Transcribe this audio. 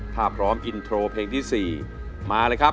ถ้าพร้อมอินโทรเพลงที่๔มาเลยครับ